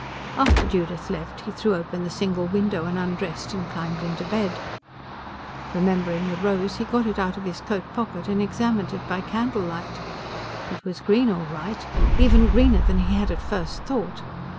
After Judith left, he threw open the single window and undressed and climbed into bed. Remembering the rose, he got it out of his coat pocket and examined it by candlelight. It was green all right even greener than he had at first thought.